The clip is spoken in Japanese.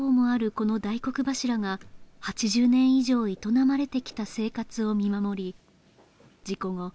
この大黒柱が８０年以上営まれてきた生活を見守り事故後